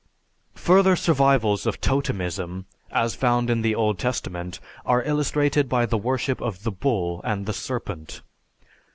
Further survivals of totemism as found in the Old Testament are illustrated by the worship of the bull and the serpent.